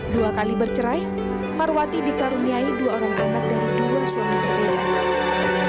dua kali bercerai marwati dikaruniai dua orang anak dari dua suami berbeda